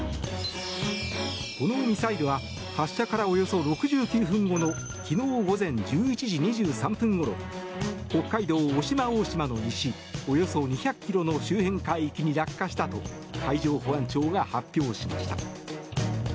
このミサイルは発射からおよそ６９分後の昨日午前１１時２３分ごろ北海道渡島大島の西およそ２００ｋｍの周辺海域に落下したと海上保安庁が発表しました。